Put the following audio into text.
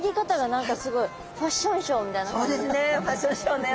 そうですねファッションショーのような。